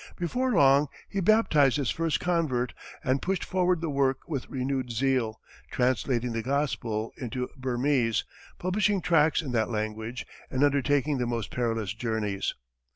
Before long, he baptized his first convert, and pushed forward the work with renewed zeal, translating the gospels into Burmese, publishing tracts in that language, and undertaking the most perilous journeys.